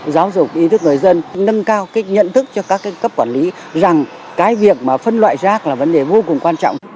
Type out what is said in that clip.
giáo dục ý thức người dân nâng cao cái nhận thức cho các cấp quản lý rằng cái việc mà phân loại rác là vấn đề vô cùng quan trọng